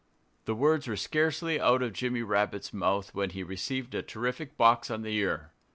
The words were scarcely out of Jimmy Rabbit's mouth when he received a terrific box on the ear.